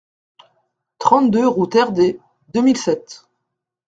trente-deux route Rd deux mille sept